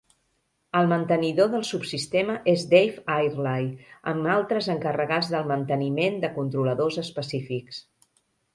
El mantenidor del subsistema és Dave Airlie, amb altres encarregats del manteniment de controladors específics.